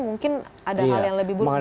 mungkin ada hal yang lebih buruk dari itu